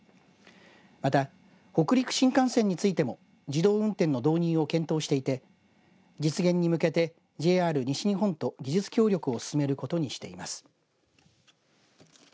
また、北陸新幹線についても自動運転の導入を検討していて実現に向けてＪＲ西日本と技術協力を進めることにしています。